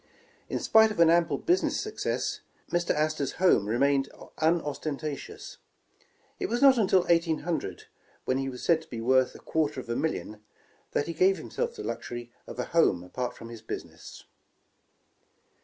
In spite of an ample business success, Mr. Astor 's home remained unostentatious. It was not until 1800, when he was said to be worth a quarter of a million, that he gave liimself the luxury of a home apart from his business.